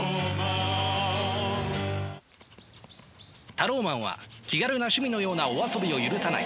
タローマンは気軽な趣味のようなお遊びを許さない。